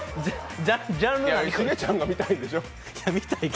重ちゃんが見たいんでしょ。